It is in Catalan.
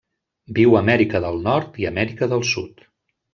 Viu a Amèrica del Nord i Amèrica del Sud.